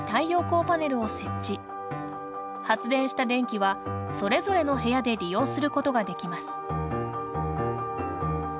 発電した電気はそれぞれの部屋で利用することができます。